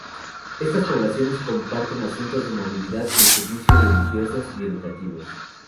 Estas poblaciones comparten asuntos de movilidad, de servicios, religiosos y educativos.